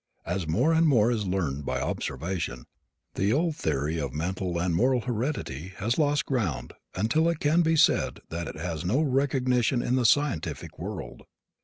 As more and more is learned by observation the old theory of mental and moral heredity has lost ground until it can be said that it now has no recognition in the scientific world.